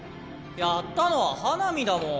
やったのは花御だもん。